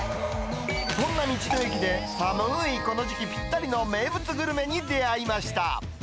そんな道の駅で、寒ーいこの時期、ぴったりの名物グルメに出会いました。